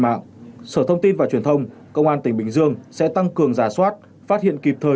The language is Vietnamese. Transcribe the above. mạng sở thông tin và truyền thông công an tỉnh bình dương sẽ tăng cường giả soát phát hiện kịp thời